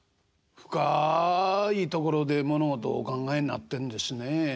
深いところで物事をお考えになってんですね。